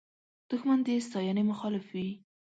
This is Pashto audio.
دښمن د ستاینې مخالف وي